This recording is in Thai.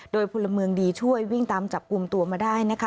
โดยพลเมืองดีช่วยวิ่งตามจับกลุ่มตัวมาได้นะคะ